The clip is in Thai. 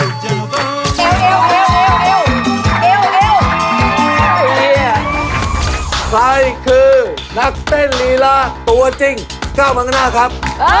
นี่คือนักเต้นลีลาตัวจริงเก้ามันกระหน้าครับ